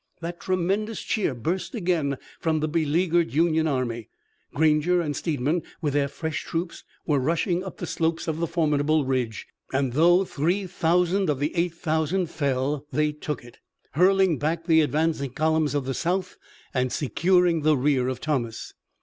That tremendous cheer burst again from the beleaguered Union army. Granger and Steedman, with their fresh troops, were rushing up the slopes of the formidable ridge, and though three thousand of the eight thousand fell, they took it, hurling back the advancing columns of the South, and securing the rear of Thomas.